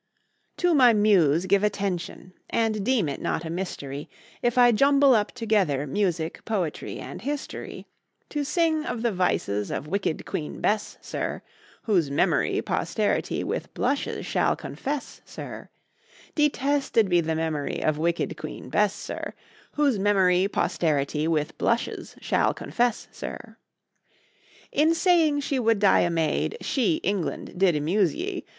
To my Muse give attention, and deem it not a mystery If I jumble up together music, poetry, and history, To sing of the vices of wicked Queen Bess, sir, Whose memory posterity with blushes shall confess, sir, Detested be the memory of wicked Queen Bess, sir, Whose memory posterity with blushes shall confess, sir. In saying she would die a maid, she, England! did amuse ye.